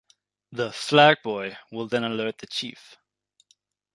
The 'Flagboy' will then alert the chief.